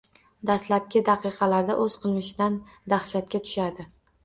Dastlabki daqiqalarda o’z qilmishidan dahshatga tushadi.